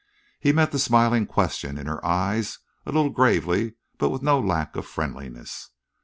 He met the smiling question in her eyes a little gravely but with no lack of friendliness.